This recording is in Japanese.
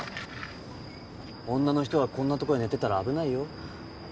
女の人がこんな所に寝てたら危ないよ